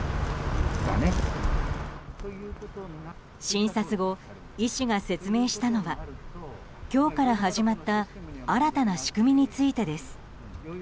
診察後、医師が説明したのは今日から始まった新たな仕組みについてです。